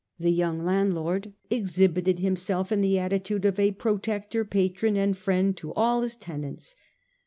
The young landlord exhibited himself in the attitude of a protector, patron and friend to all his tenants.